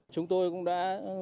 chúng tôi cũng đã